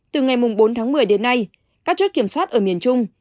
từ ngày bốn tháng một mươi đến nay các chốt kiểm soát ở miền trung